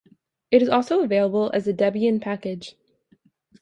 It is also available as a Debian package.